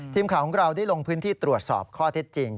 ทีมข่าวของเราได้ลงพื้นที่ตรวจสอบข้อเท็จจริง